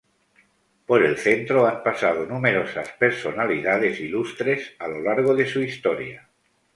Por el centro han pasado numerosas personalidades ilustres a lo largo de su historia.